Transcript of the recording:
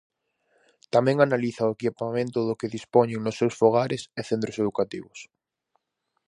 Tamén analiza o equipamento do que dispoñen nos seus fogares e centros educativos.